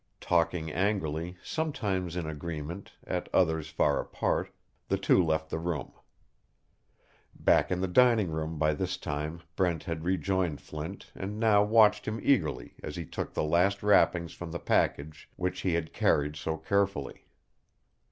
Talking angrily, sometimes in agreement, at others far apart, the two left the room. Back in the dining room by this time Brent had rejoined Flint and now watched him eagerly as he took the last wrappings from the package which he had carried so carefully.